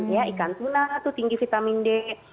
ya ikan tuna itu tinggi vitamin d